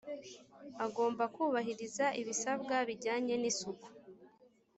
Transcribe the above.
agomba kubahiriza ibisabwa bijyanye n isuku